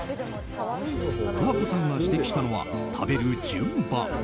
十和子さんが指摘したのは食べる順番。